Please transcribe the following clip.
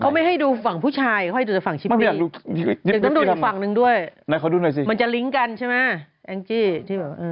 เขาไม่ให้ดูฝั่งผู้ชายเขาให้ดูฝั่งชิมปี้